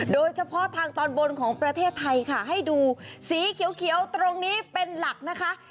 โดยเฉพาะทางตอนบนของประเทศไทยค่ะให้ดูสีเขียวตรงนี้เป็นหลักนะคะ